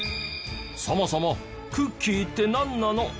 そもそもクッキーってなんなの？